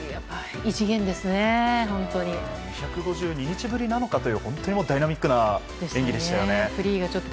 ２５２日ぶりなのかという本当にダイナミックな演技でしたよね。